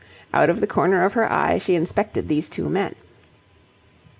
Out of the corner of her eye she inspected these two men.